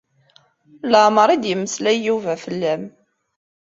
Leɛmeṛ i d-yemmeslay Yuba fell-am.